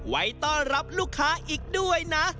ไว้ต้อนรับลูกค้าอีกด้วยนะ